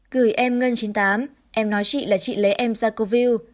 gửi em ngân chín mươi tám em nói chị là chị lấy em ra cô viu